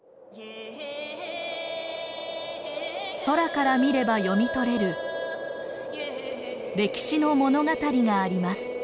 空から見れば読み取れる歴史の物語があります。